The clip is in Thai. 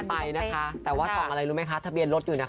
ไปนะคะแต่ว่าส่องอะไรรู้ไหมคะทะเบียนรถอยู่นะคะ